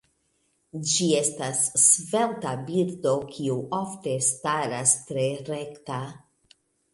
Ĝi estas svelta birdo kiu ofte staras tre rekta.